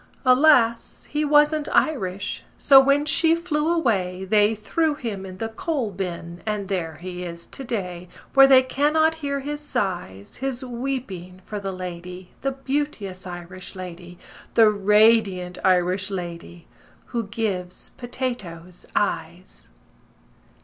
Alas, he wasn't Irish. So when she flew away, They threw him in the coal bin And there he is to day, Where they cannot hear his sighs His weeping for the lady, The beauteous Irish lady, The radiant Irish lady Who gives potatoes eyes."